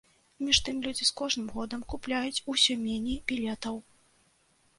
Між тым, людзі з кожным годам купляюць усё меней білетаў.